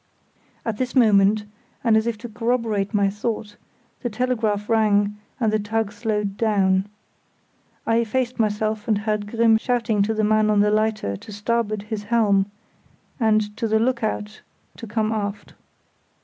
At this moment, and as if to corroborate my thought, the telegraph rang and the tug slowed down. I effaced myself and heard Grimm shouting to the man on the lighter to starboard his helm, and to the look out to come aft.